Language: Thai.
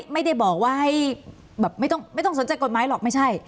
ไม่ได้บอกว่าให้แบบไม่ต้องสนใจกฎหมายหรอกไม่ใช่